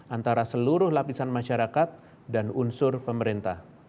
antara seluruh lapisan masyarakat dan unsur pemerintah